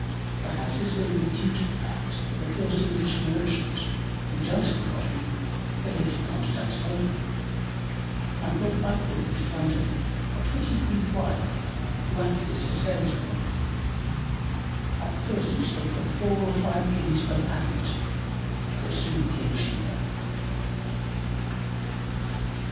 Perhaps this may be due to the fact that the first English merchant who dealt in coffee had lived in Constantinople, and brought back with him to London a pretty Greek wife, who acted as his saleswoman. At first it sold for four or five guineas per pound, but soon became cheaper.